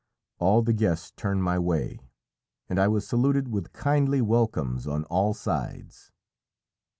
All the guests turned my way, and I was saluted with kindly welcomes on all sides.